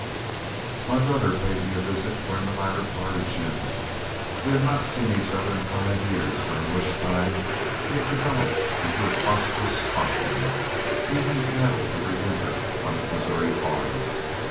My brother paid me a visit during the latter part of June. We had not seen each other in five years, during which time he had developed into a prosperous stockman, feeding cattle every winter on his Missouri farm.